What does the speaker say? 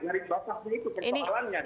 menarik batasnya itu